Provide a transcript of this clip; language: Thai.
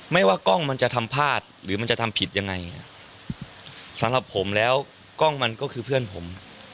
ว่ากล้องมันจะทำพลาดหรือมันจะทำผิดยังไงสำหรับผมแล้วกล้องมันก็คือเพื่อนผม